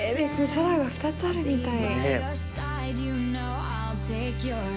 空が２つあるみたい。